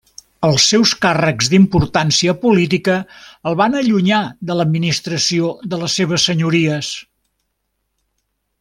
Els seus càrrecs d'importància política el van allunyar de l'administració de les seves senyories.